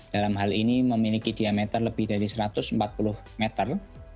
dalam hal ini memiliki diameter lebih dari satu ratus empat puluh meter